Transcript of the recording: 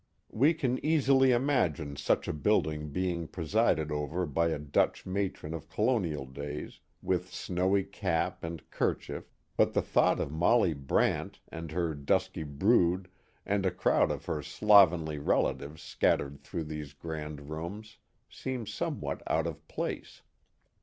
We can easily imagine such a building being presided over by a Dutch matron of colonial days, with snowy cap and ker chief, but the thought of Molly Brant and her dusky brood and a crowd of her slovenly relatives scattered through these grand rooms seems somewhat out of place.